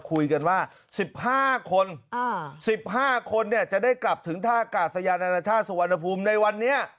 คุยกันว่า๑๕คน๑๕คนจะได้กลับถึงท่ากาศยานานาชาติสุวรรณภูมิในวันนี้